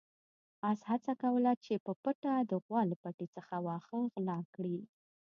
اس هڅه کوله چې په پټه د غوا له پټي څخه واښه وغلا کړي.